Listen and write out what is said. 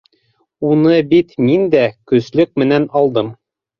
Уны бит мин дә... көслөк менән алдым.